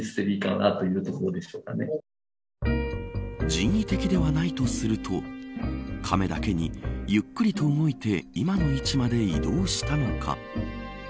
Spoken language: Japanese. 人為的ではないとすると亀だけに、ゆっくりと動いて今の位置まで移動したのか。